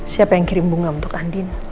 siapa yang kirim bunga untuk andin